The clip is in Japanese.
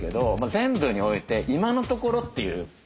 全部において今のところっていうことですね。